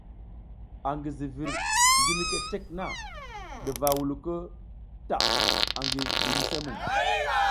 Angi zivir ngi mike cek na ɗuva wuluko ta angi Buymisemuŋ.